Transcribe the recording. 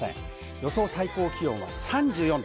予想最高気温は３４度。